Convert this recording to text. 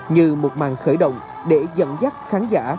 như một màn khởi động để dẫn dắt khán giả